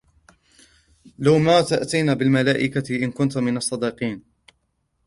لو ما تأتينا بالملائكة إن كنت من الصادقين